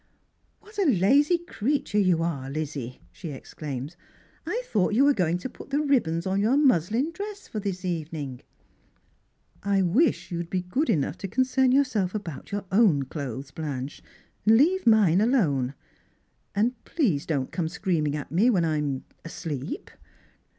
" What a lazy creature you are, Lizzie !" she exclaims. " I thought you wee going to put the ribbons on your mushn dress for this evening." " I wish you'd be good enough to concern yourself about your own clothes, Bkinche, and leave mine alone. And please don't come screaming at me when I'm — asleep."